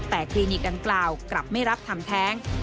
แต่คลินิกดังกล่าวกลับไม่รับทำแท้ง